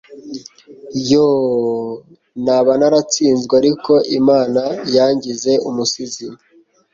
yoo! naba naratsinzwe! ... ariko imana yangize umusizi